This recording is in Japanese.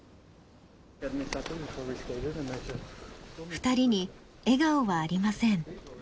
２人に笑顔はありません。